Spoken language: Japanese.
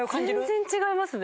全然違いますね